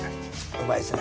うまいっすね